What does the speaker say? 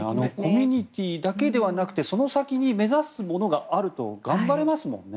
コミュニティーだけではなくてその先に目指すものがあると頑張れますもんね。